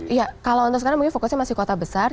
iya kalau untuk sekarang mungkin fokusnya masih kota besar